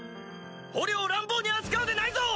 捕虜を乱暴に扱うでないぞ！